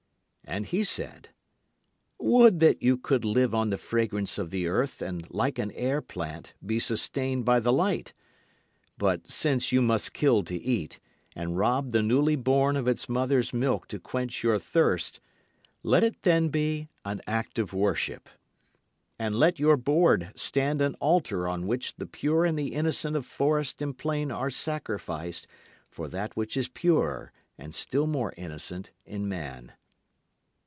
And he said: Would that you could live on the fragrance of the earth, and like an air plant be sustained by the light. But since you must kill to eat, and rob the newly born of its mother's milk to quench your thirst, let it then be an act of worship, And let your board stand an altar on which the pure and the innocent of forest and plain are sacrificed for that which is purer and still more innocent in man.